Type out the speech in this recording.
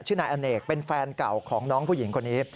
นายอเนกเป็นแฟนเก่าของน้องผู้หญิงคนนี้